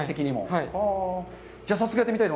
はい。